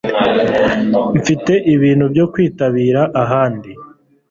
Mfite ibintu byo kwitabira ahandi